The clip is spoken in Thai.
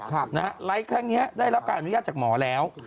นะฮะไลค์แหละนี้ได้รับการอนุญาตจากหมอแล้ว